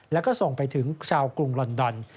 แล้วก็ส่งไปถึงชาวกรุงลอนดอน